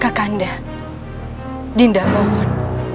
kakanda dinda mohon